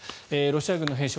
ロシア軍の兵士